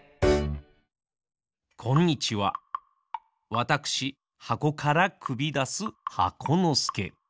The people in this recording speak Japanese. わたくしはこからくびだす箱のすけ。